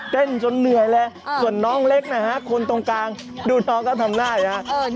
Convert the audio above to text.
จนเหนื่อยเลยส่วนน้องเล็กนะฮะคนตรงกลางดูน้องก็ทำได้นะครับ